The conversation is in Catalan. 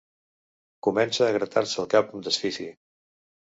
Comença a gratar-se el cap amb desfici.